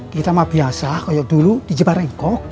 kita mah biasa kayak dulu dijepat rengkok